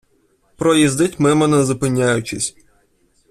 Проїздить мимо не зупиняючись.